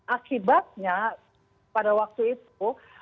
akibatnya pada waktu itu